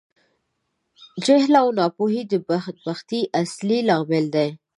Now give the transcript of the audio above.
جهل او ناپوهۍ د بدبختي اصلی لامل دي.